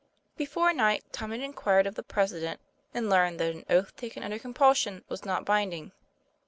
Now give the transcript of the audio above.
Before night, Tom had inquired of the President and learned that an oath taken under compulsion was not binding.